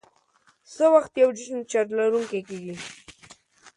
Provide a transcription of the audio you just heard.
څه وخت یو جسم چارج لرونکی کیږي؟